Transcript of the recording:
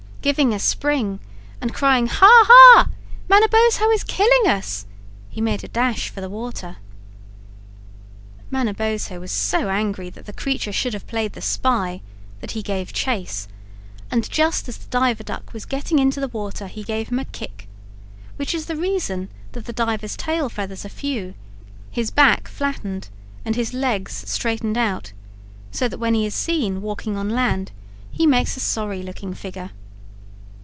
Giving a spring, and crying: "Ha ha a! Manabozho is killing us!" he made a dash for the water. Manabozho was so angry that the creature should have played the spy that he gave chase, and just as the Diver Duck was getting into the water he gave him a kick, which is the reason that the diver's tail feathers are few, his back flattened, and his legs straightened out, so that when he is seen walking on land he makes a sorry looking figure.